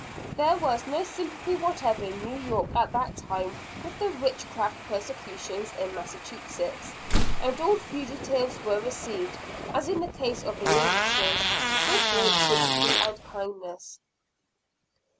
There was no sympathy whatever in New York at that time with the witchcraft persecutions in Massachusetts; and all fugitives were received, as in the case of the Englishes, with great sympathy and kindness.